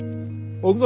置くぞ！